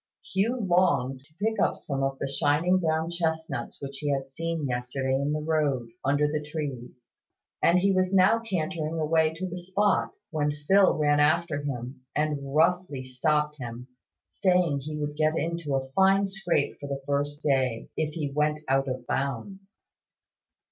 Hugh longed to pick up some of the shining brown chestnuts which he had seen yesterday in the road, under the trees; and he was now cantering away to the spot, when Phil ran after him, and roughly stopped him, saying he would get into a fine scrape for the first day, if he went out of bounds.